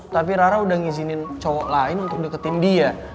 tapi rara udah ngizinin cowok lain untuk deketin dia